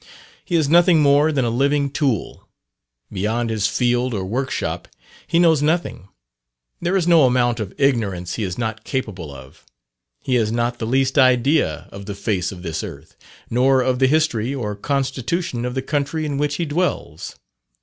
He is nothing more than a living tool. Beyond his field or workshop he knows nothing. There is no amount of ignorance he is not capable of. He has not the least idea of the face of this earth, nor of the history or constitution of the country in which he dwells.